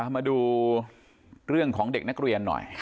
มาดูเรื่องของเด็กนักเรียนหน่อย